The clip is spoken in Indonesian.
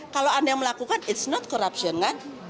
kalau anda yang melakukan it's not corruption kan